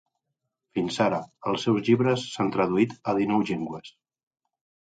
Fins ara, els seus llibres s'han traduït a dinou llengües.